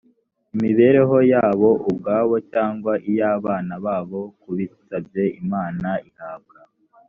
imibereho yabo ubwabo cyangwa iy abana babo kubitabye imana ihabwa